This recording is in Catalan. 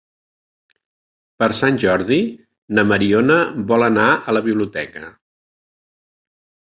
Per Sant Jordi na Mariona vol anar a la biblioteca.